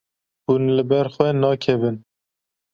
Hûn li ber xwe nakevin.